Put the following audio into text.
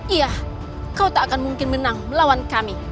iya kau tak akan mungkin menang melawan kami